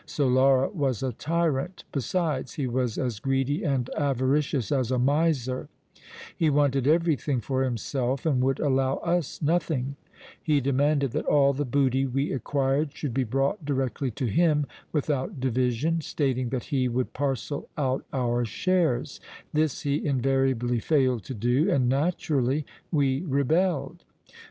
Solara was a tyrant; besides, he was as greedy and avaricious as a miser; he wanted everything for himself and would allow us nothing; he demanded that all the booty we acquired should be brought directly to him without division, stating that he would parcel out our shares; this he invariably failed to do and naturally we rebelled.